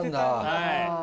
はい。